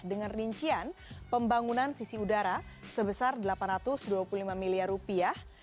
dengan rincian pembangunan sisi udara sebesar delapan ratus dua puluh lima miliar rupiah